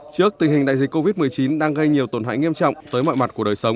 trước tình hình đại dịch covid một mươi chín đang gây nhiều tổn hại nghiêm trọng tới mọi mặt của đời sống